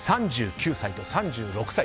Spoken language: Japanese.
３９歳と３６歳。